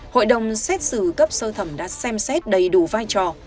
hội đồng xét xử cấp sơ thẩm đã xem xét đầy đủ vai trò